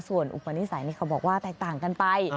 ส่วนอุปนิสัยนี่เขาบอกว่าแตกต่างกันไป